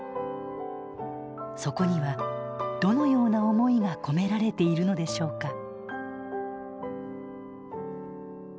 そこにはどのような思いが込められているのでしょうか？